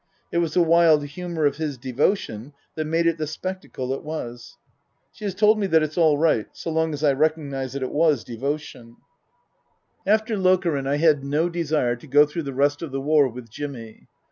It was the wild humour of his devotion that made it the spectacle it was. (She has told me that it's all right, so long as I recognize that it was devotion.) Book III : His Book 319 After Lokeren I had no desire to go through the rest of the war with Jimmy.